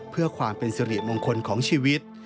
เพื่อความเป็นสิริมงคลของชีวิต